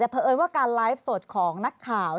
แต่เผลอว่าการไลฟ์สดของนักข่าว